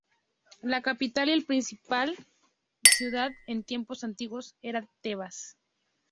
La capital y principal ciudad en tiempos antiguos era Tebas.